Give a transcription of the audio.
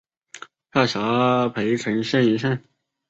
下辖涪城县一县。